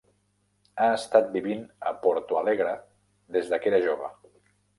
Ha estat vivint a Porto Alegre des de que era jove .